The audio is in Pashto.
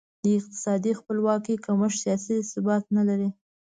د اقتصادي خپلواکي کمښت سیاسي ثبات نه لري.